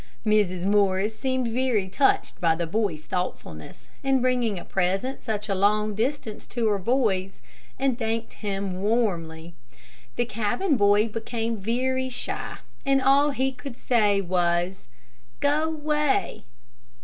Mrs. Morris seemed very much touched by the boy's thoughtfulness in bringing a present such a long distance to her boys, and thanked him warmly. The cabin boy became very shy, and all he could say was, "Go way!"